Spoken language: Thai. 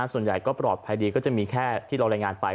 ส่วนใหญ่ก็ปลอดภัยดีก็จะมีแค่ที่เรารายงานไป